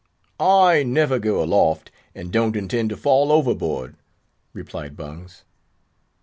"I never go aloft, and don't intend to fall overboard," replied Bungs.